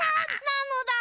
なのだ。